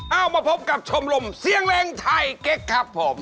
เอามาพบกับชมรมเสียงเล็งไทยเก๊กครับผม